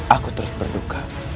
aku terus berduka